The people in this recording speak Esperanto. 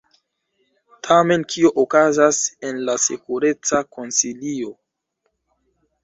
Tamen kio okazas en la Sekureca Konsilio?